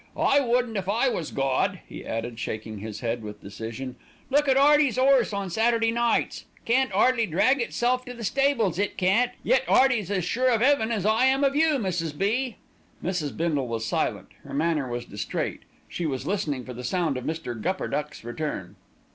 I wouldn't if I was Gawd," he added, shaking his head with decision. "Look at 'Earty's 'orse on Saturday nights. Can't 'ardly drag itself to the stables, it can't, yet 'Earty's as sure of 'eaven as I am of you, Mrs. B." Mrs. Bindle was silent, her manner was distraite, she was listening for the sound of Mr. Gupperduck's return.